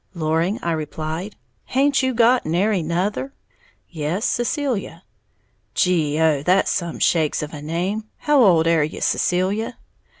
"Loring," I replied. "Haint you got nary nother?" "Yes, Cecilia." "Gee oh, that's some shakes of a name. How old air you, Cecilia?"